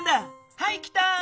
はい来た！